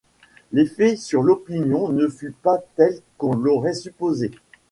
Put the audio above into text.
L'effet sur l'opinion ne fut pas tel qu'on l'aurait supposé.